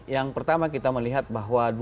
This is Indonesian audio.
yang pertama kita melihat bahwa